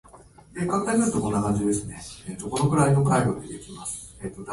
広がりーよ